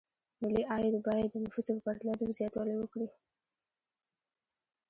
ملي عاید باید د نفوسو په پرتله ډېر زیاتوالی وکړي.